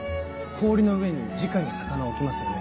氷の上にじかに魚を置きますよね。